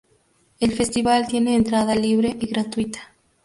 El festival tiene entrada libre y gratuita.